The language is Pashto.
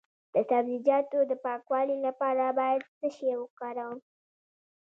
د سبزیجاتو د پاکوالي لپاره باید څه شی وکاروم؟